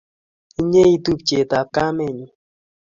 Inye ii u tupchenyu ak kamenyu